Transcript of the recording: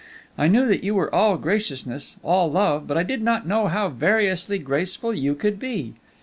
I knew that you were all graciousness, all love, but I did not know how variously graceful you could be.